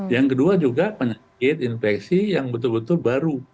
yang kedua juga penyakit infeksi yang betul betul baru